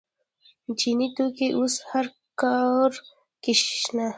چیني توکي اوس هر کور کې شته.